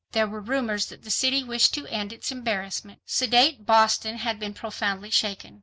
There were rumors that the city wished to end its embarrassment. Sedate Boston had been profoundly shaken.